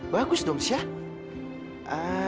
bagus dong syah